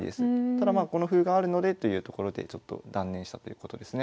ただまあこの歩があるのでというところでちょっと断念したということですね。